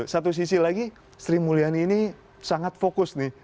satu sisi lagi sri mulyani ini sangat fokus nih